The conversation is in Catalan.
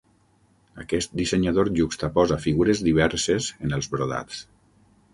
Aquest dissenyador juxtaposa figures diverses en els brodats.